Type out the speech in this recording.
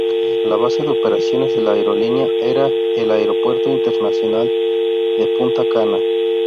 La base de operaciones de la aerolínea era el Aeropuerto Internacional de Punta Cana.